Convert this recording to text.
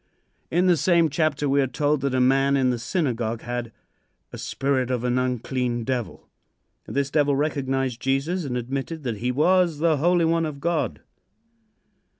In the same chapter we are told that a man in the synagogue had a "spirit of an unclean devil." This devil recognized Jesus and admitted that he was the Holy One of God.